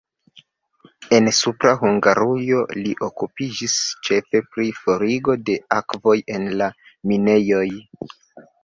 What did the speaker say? En Supra Hungarujo li okupiĝis ĉefe pri forigo de akvoj en la minejoj.